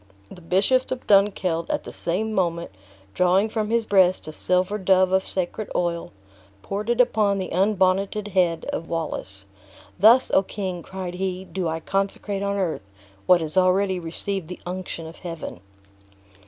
The Bishop of Dunkeld at the same moment drawing from his breast a silver dove of sacred oil, poured it upon the unbonneted head of Wallace. "Thus, O King!" cried he, "do I consecrate on earth, what has already received the unction of Heaven!"